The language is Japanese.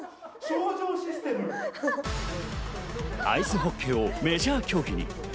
アイスホッケーをメジャー競技に。